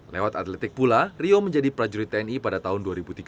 lewat atletik pula rio menjadi prajurit tni pada tahun dua ribu tiga belas